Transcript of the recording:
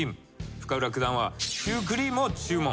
深浦九段はシュークリームを注文。